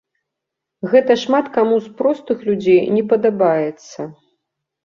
Гэта шмат каму з простых людзей не падабаецца.